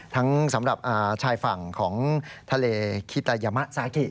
สำหรับชายฝั่งของทะเลคิตายามะสากิ